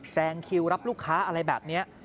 แซงคิวรับลูกค้าอะไรแบบนี้